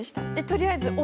取りあえず。